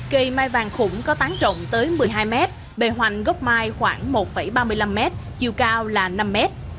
cây mai vàng khủng có tán trộn tới một mươi hai mét bề hoành gốc mai khoảng một ba mươi năm m chiều cao là năm mét